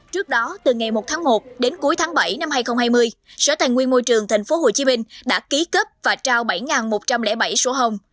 trước đó từ ngày một tháng một đến cuối tháng bảy năm hai nghìn hai mươi sở tài nguyên môi trường tp hcm đã ký cấp và trao bảy một trăm linh bảy sổ hồng